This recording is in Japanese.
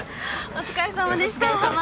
お疲れさまです。